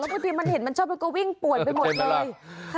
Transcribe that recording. แล้วพอมันเห็นมันชอบก็วิ่งปวดไปหมดเลย